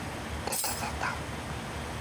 저길 봐.